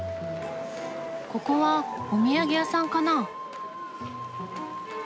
ここはお土産屋さんかな。